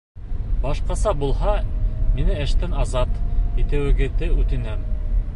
Башҡаса булһа, мине эштән азат итеүегеҙҙе үтенәм.